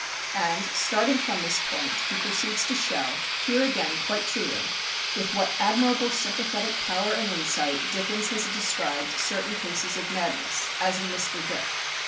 And, starting from this point, he proceeds to show, here again quite truly, with what admirable sympathetic power and insight Dickens has described certain cases of madness, as in Mr. Dick.